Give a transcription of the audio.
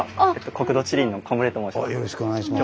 国土地理院の小牟禮と申します。